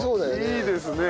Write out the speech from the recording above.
いいですね。